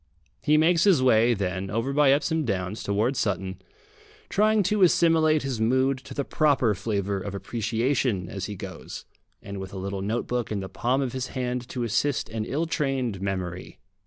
He makes his way, then, over by Epsom Downs towards Sutton, trying to assimilate his mood to the proper flavour of appreciation as he goes, and with a little notebook in the palm of his hand to assist an ill trained memory.